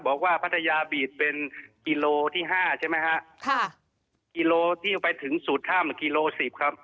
พัทยาบีดเป็นกิโลที่ห้าใช่ไหมฮะค่ะกิโลที่ไปถึงสูตรห้ามกิโลสิบครับ